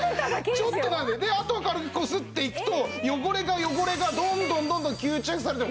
ちょっとなでてあとは軽くこすっていくと汚れが汚れがどんどんどんどん吸着されてほら。